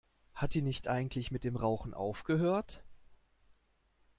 Hat die nicht eigentlich mit dem Rauchen aufgehört?